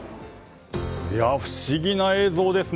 不思議な映像ですね。